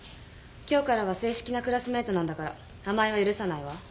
今日からは正式なクラスメートなんだから甘えは許さないわ。